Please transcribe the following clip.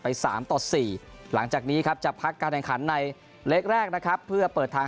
สามต่อสี่หลังจากนี้ครับจะพักการแข่งขันในเล็กแรกนะครับเพื่อเปิดทาง